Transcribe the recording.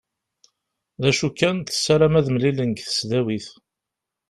D acu kan tessaram ad mlilen deg tesdawit.